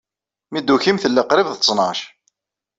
Mi d-tukim, tella qrib d ttnac.